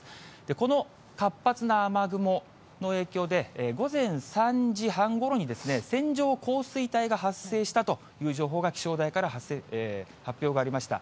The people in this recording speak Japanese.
この活発な雨雲の影響で、午前３時半ごろに、線状降水帯が発生したという情報が、気象台から発表がありました。